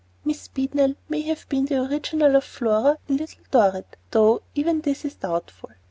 Miss Beadnell may have been the original of Flora in Little Dorrit, though even this is doubtful.